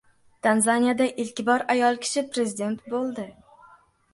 Tanzaniyada ilk bor ayol kishi prezident bo‘ladi